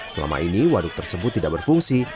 selama ini waduk tersebut tidak berfungsi